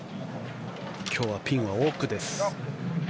今日はピンは奥です。